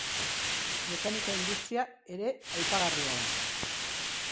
Mekanika industria ere aipagarria da.